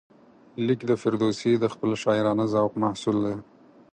لیک د فردوسي د خپل شاعرانه ذوق محصول دی.